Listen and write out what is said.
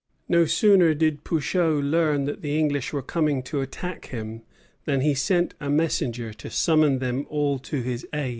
No sooner did Pouchot learn that the English were coming to attack him than he sent a messenger to summon them all to his aid.